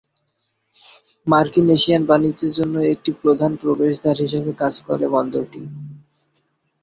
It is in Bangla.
মার্কিন-এশিয়ান বাণিজ্যের জন্য একটি প্রধান প্রবেশদ্বার হিসাবে কাজ করে বন্দরটি।